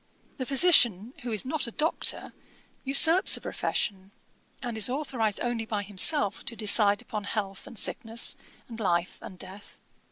The physician, who is not a Doctor, usurps a profession, and is authorised only by himself to decide upon health and sickness, and life and death.